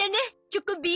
チョコビ。